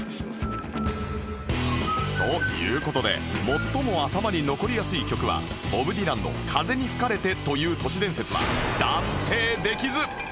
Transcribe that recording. という事で最も頭に残りやすい曲はボブ・ディランの『風に吹かれて』という都市伝説は断定できず